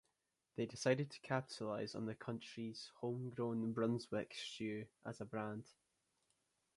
They decided to capitalize on the county's home-grown Brunswick stew as a brand.